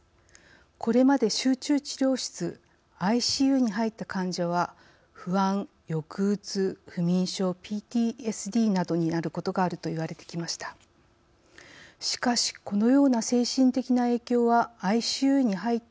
これまで集中治療室＝ＩＣＵに入った患者は不安・抑うつ不眠症、ＰＴＳＤなどになることがあると言われてきました。